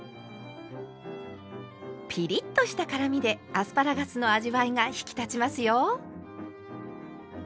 ピリッとした辛みでアスパラガスの味わいが引き立ちますよ。